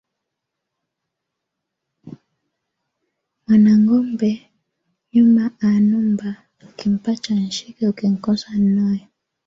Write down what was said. Mwanangombee nyuma a numba ukimpacha nshike ukinkosa nnoe.